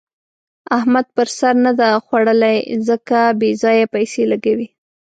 احمد پر سر نه ده خوړلې؛ ځکه بې ځايه پيسې لګوي.